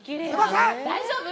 大丈夫？